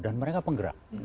dan mereka penggerak